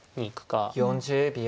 ４０秒。